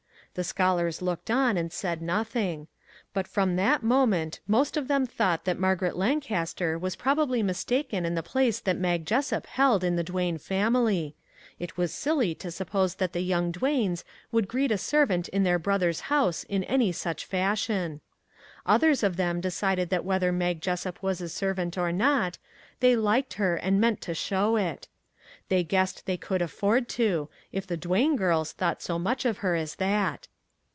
The scholars looked on and said nothing. But from that 322 A MEMORABLE BIRTHDAY moment most of them thought that Margaret Lancaster was probably mistaken in the place that Mag Jessup held in the Duane family it was silly to suppose that the young Duanes would greet a servant in their brother's house in any such fashion. Others of them decided that whether Mag Jessup was a servant or not, they liked her, and meant to show it. They guessed they could afford to, if the Duane girls thought so much of her as that.